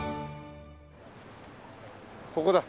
ここだ。